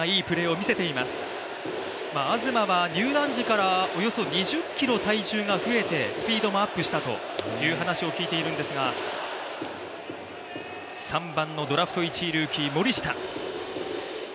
東は入団時からおよそ２０ｋｇ体重が増えてスピードもアップしたという話を聞いているんですが３番のドラフト１位ルーキー・森下。